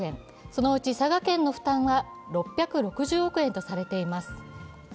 そのうち佐賀県の負担は６６０億円とされています。